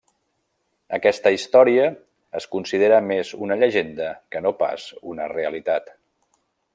Aquesta història es considera més una llegenda que no pas una realitat.